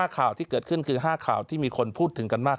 ข่าวที่เกิดขึ้นคือ๕ข่าวที่มีคนพูดถึงกันมาก